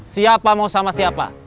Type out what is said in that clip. siapa mau sama siapa